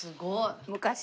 昔。